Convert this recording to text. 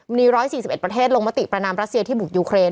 มี๑๔๑ประเทศลงมติประนามรัสเซียที่บุกยูเครน